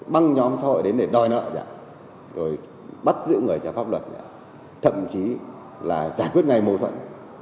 băng nhóm xã hội đến để đòi nợ bắt giữ người trả pháp luật thậm chí là giải quyết ngày mô thuận